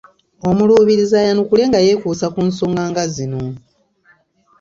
Omuluubirizi ayanukule nga yeekuusa ku nsonga nga zino